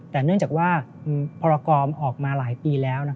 แต่เนื่องจากว่าพรกรออกมาหลายปีแล้ว